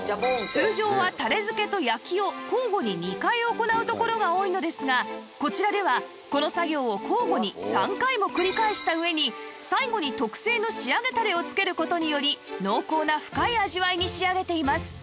通常はたれ付けと焼きを交互に２回行うところが多いのですがこちらではこの作業を交互に３回も繰り返した上に最後に特製の仕上げたれを付ける事により濃厚な深い味わいに仕上げています